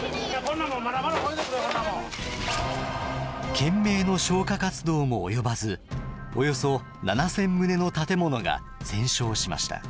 懸命の消火活動も及ばずおよそ７，０００棟の建物が全焼しました。